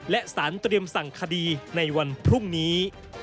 และสารเตรียมสั่งคดีในวันพรุ่งนี้